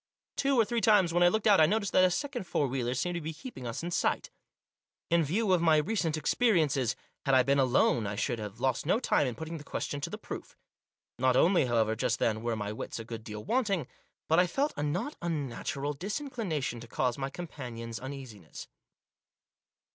Two or three times when I looked out I noticed that a second four wheeler seemed to be keeping us in sight. In view of my recent experiences, had I been alone I should have lost no time in putting the question to the proof. Not only, however, just then, were my wits a good deal wanting, but I felt a not unnatural dis inclination to cause my companions uneasiness.